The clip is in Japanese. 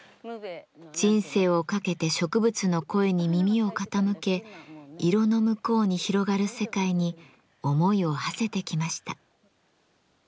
人生をかけて植物の声に耳を傾け色の向こうに広がる世界に思いをはせてきました。